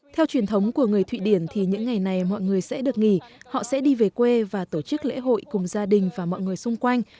theo truyền thống của người thụy điển thì những ngày này mọi người sẽ được nghỉ họ sẽ đi về quê và tổ chức lễ hội cùng gia đình và mọi người xung quanh